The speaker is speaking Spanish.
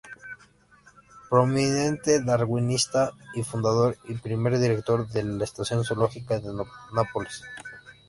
Prominente darwinista y fundador y primer director de la Estación zoológica de Nápoles.